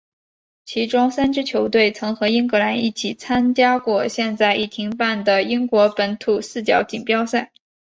其中三支球队曾和英格兰一起参加过现在已停办的英国本土四角锦标赛。